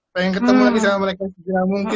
pengen ketemu lagi sama mereka juga